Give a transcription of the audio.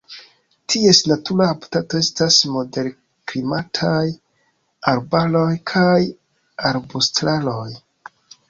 Ties natura habitato estas moderklimataj arbaroj kaj arbustaroj.